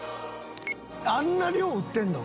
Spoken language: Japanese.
あんな量売ってるの？